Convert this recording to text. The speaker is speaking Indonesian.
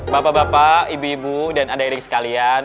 bapak bapak ibu ibu dan adik adik sekalian